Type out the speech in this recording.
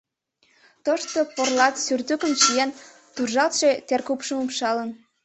Тошто порлат сюртукым чиен, туржалтше теркупшым упшалын.